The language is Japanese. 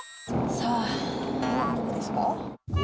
さあ、今どこですか？